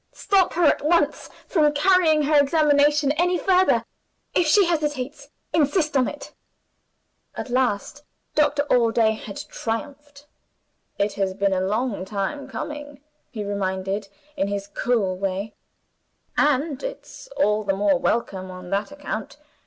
"Stop her at once from carrying her examination any further! If she hesitates, insist on it!" At last Doctor Allday had triumphed! "It has been a long time coming," he remarked, in his cool way; "and it's all the more welcome on that account.